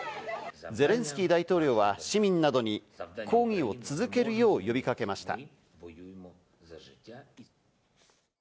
ゼレンスキー大統領は市民などに抗議を続けるよう呼びかけました。